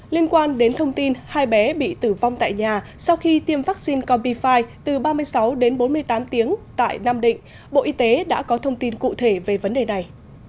liên quan đến thông tin hai bé bị tử vong tại nhà sau khi tiêm vaccine combifi từ ba mươi sáu đến bốn mươi tám tiếng tại nam định bộ y tế đã có thông tin cụ thể về vấn đề này